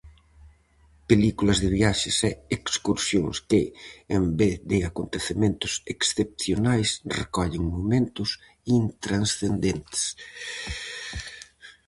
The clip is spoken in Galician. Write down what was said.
Películas de viaxes e excursións que, en vez de acontecementos excepcionais, recollen momentos intranscendentes.